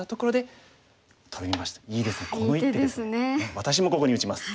私もここに打ちます。